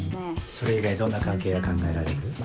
それ以外どんな関係が考えられる？